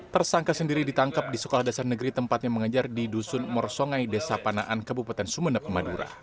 tersangka sendiri ditangkap di sekolah dasar negeri tempatnya mengajar di dusun morsongai desa panaan kabupaten sumeneb madura